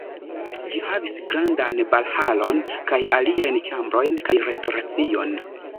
Ĝi havis grandan balhalon kaj aliajn ĉambrojn kaj restoracion.